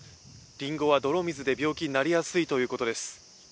りんごは泥水で病気になりやすいということです。